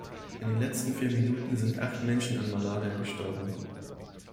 In den letzten vier Minuten sind acht Menschen an Malaria gestorben.